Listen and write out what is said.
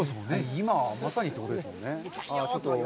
今、まさにということですもんね。